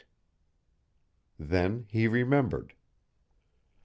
Then he remembered.